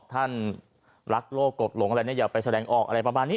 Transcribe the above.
ท่านรักโลกกบหลงอะไรเนี่ยอย่าไปแสดงออกอะไรประมาณนี้